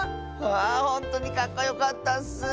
あほんとにかっこよかったッス！